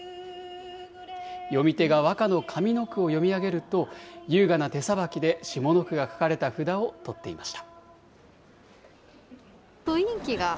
読み手が和歌の上の句を読み上げると、優雅な手さばきで下の句が書かれた札を取っていました。